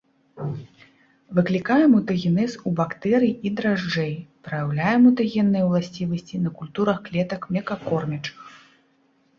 Выклікае мутагенез ў бактэрый і дражджэй, праяўляе мутагенныя ўласцівасці на культурах клетак млекакормячых.